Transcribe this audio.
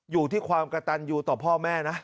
อยู่ที่ความกระตันอยู่ต่อพ่อแม่นะ